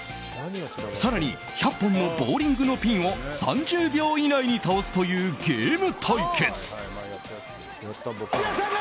更に１００本のボウリングのピンを３０秒以内に倒すというゲーム対決。